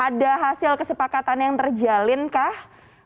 ada hasil kesepakatan yang terjalinkah